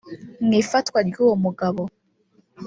Mu ifatwa ry’uwo mugabo